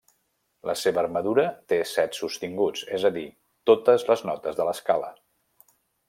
La seva armadura té set sostinguts, és a dir, totes les notes de l'escala.